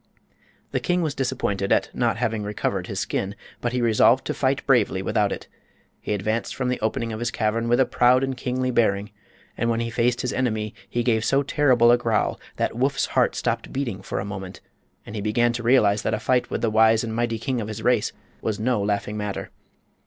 The king was disappointed at not having recovered his skin, but he resolved to fight bravely without it. He advanced from the opening of his cavern with a proud and kingly bearing, and when he faced his enemy he gave so terrible a growl that Woof's heart stopped beating for a moment, and he began to realize that a fight with the wise and mighty king of his race was no laughing matter.